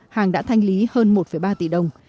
hàng đã thanh lý hơn một ba tỷ đồng